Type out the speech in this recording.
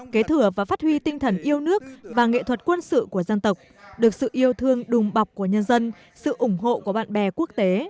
kế thừa và phát huy tinh thần yêu nước và nghệ thuật quân sự của dân tộc được sự yêu thương đùm bọc của nhân dân sự ủng hộ của bạn bè quốc tế